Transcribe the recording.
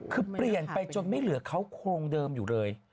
คือเปลี่ยนไปจนไม่เหลือเขาโครงเดิมอยู่เลย